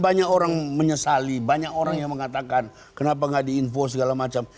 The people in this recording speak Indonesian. banyak orang menyesali banyak orang yang mengatakan kenapa nggak diinfo segala macam